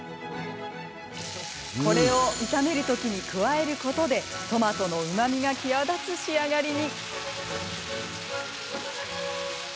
これを炒める時に加えることでトマトのうまみが際立つ仕上がりに。